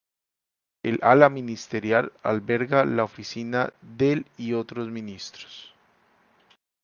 El ala ministerial alberga la oficina del y otros ministros.